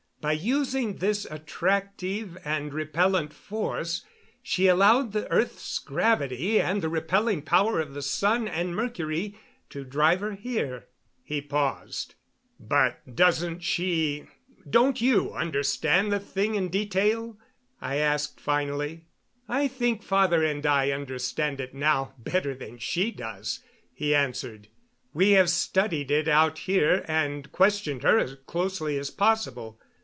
By using this attractive and repellent force she allowed the earth's gravity and the repelling power of the sun and Mercury to drive her here." He paused. "But, doesn't she don't you understand the thing in detail?" I asked finally. "I think father and I understand it now better than she does," he answered. "We have studied it out here and questioned her as closely as possible.